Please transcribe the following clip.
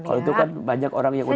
kalau itu kan banyak orang yang